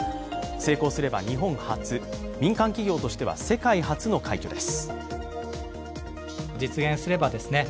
成功すれば日本初、民間企業としては世界初の快挙です。